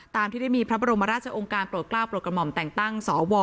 ตามที่ได้มีพระบรมราชองค์การโปรดกล้าวโปรดกระหม่อมแต่งตั้งสว